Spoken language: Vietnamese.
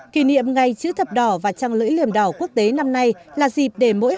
kỷ niệm ngày chữ thập đỏ và trăng lưỡi liềm đỏ quốc tế năm nay là dịp để mỗi